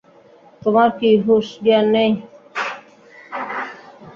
তোমার কি হুঁশ জ্ঞান নেই?